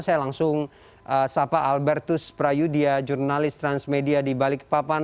saya langsung sapa albertus prayudya jurnalis transmedia di balikpapan